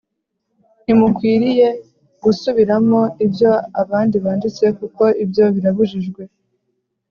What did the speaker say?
ntimukwiriye gusubiramo ibyo abandi banditse kuko ibyo birabujijwe